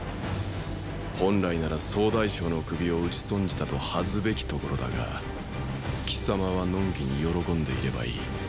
本来なら総大将の首を討ち損じたと恥ずべきところだが貴様はのんきに喜んでいればいい。